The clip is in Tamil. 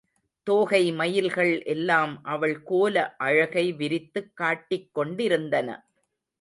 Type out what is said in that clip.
தோகை மயில்கள் எல்லாம் அவள் கோல அழகை விரித்துக் காட்டிக் கொண்டிருந்தன.